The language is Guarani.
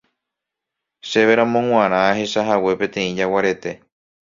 Chéveramo g̃uarã ahechahague peteĩ jaguarete